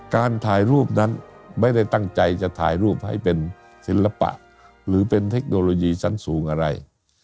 การถ่ายรูปนั้นไม่ได้ตั้งใจจะถ่ายรูปให้เป็นศิลปะหรือเป็นเทคโนโลยีชั้นสูงอะไร